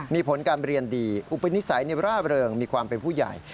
มีผลการเรียนดีอุปนิสัยร่าเริงมีความเป็นผู้ใหญ่